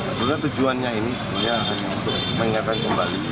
sebenarnya tujuannya ini untuk mengingatkan kembali